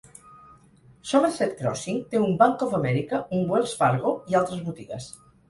Somerset Crossing té un Banc Of America, un Wells Fargo i altres botigues.